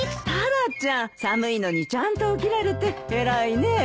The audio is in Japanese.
タラちゃん寒いのにちゃんと起きられて偉いね。